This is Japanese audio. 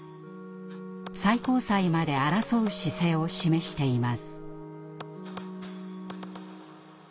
最高裁まで争う姿勢を示しています。